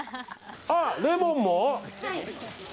あ、レモンも？